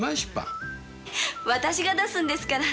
私が出すんですから。